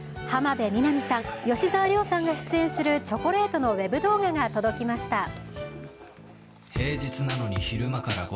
浜辺美波さん、吉沢亮さんが出演するチョコレートのウェブ動画が届きました。